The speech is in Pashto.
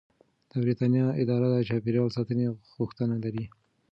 د بریتانیا اداره د چاپیریال ساتنې غوښتنه لري.